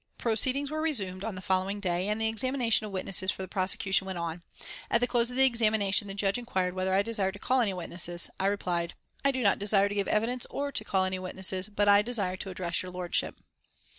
Proceedings were resumed on the following day, and the examination of witnesses for the prosecution went on. At the close of the examination, the Judge inquired whether I desired to call any witnesses. I replied: "I do not desire to give evidence or to call any witnesses, but I desire to address your Lordship."